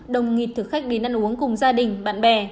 đồng nghịt thực khách đến ăn uống cùng gia đình bạn bè